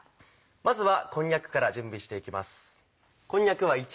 まずはこんにゃくから準備していきます。